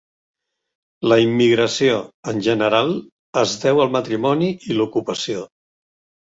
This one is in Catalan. La immigració, en general, es deu al matrimoni i l'ocupació.